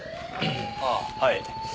ああはい。